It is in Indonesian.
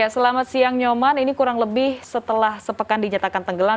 selamat siang nyoman ini kurang lebih setelah sepekan dinyatakan tenggelam